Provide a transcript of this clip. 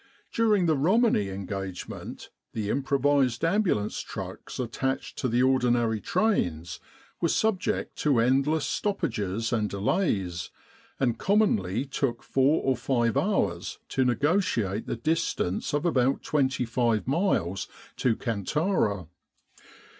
During the Romani engagement the improvised ambulance trucks attached to the ordinary trains were subject to endless stoppages and delays, and commonly took four or five hours to negotiate the distance of about 25 miles to Kantara.